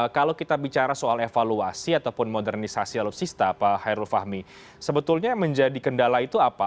kalau kita bicara soal evaluasi ataupun modernisasi alutsista pak hairul fahmi sebetulnya menjadi kendala itu apa